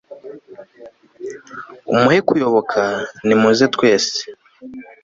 umuhe kuyoboka; nimuze twese